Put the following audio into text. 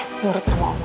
udah nurut sama oma